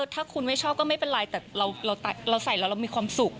ถ้าคุณไม่ชอบก็ไม่เป็นไรแต่เราใส่แล้วเรามีความสุข